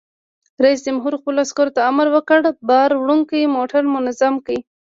رئیس جمهور خپلو عسکرو ته امر وکړ؛ بار وړونکي موټر منظم کړئ!